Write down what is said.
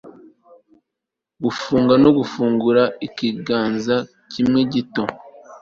gufunga no gufungura ikiganza kimwe gito